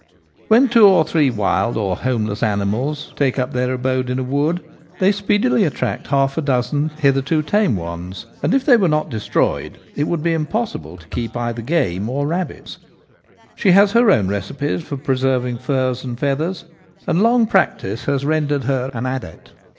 When two or three wild or homeless animals take up their abode in a wood, they speedily attract half a dozen hitherto tame ones ; and, if they were not destroyed, it would be impossible to keep either game or rabbits. She has her own receipts for preserving furs and feathers, and long practice has rendered her an adept.